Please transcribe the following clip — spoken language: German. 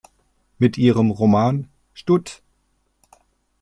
Mit ihrem Roman "Stud.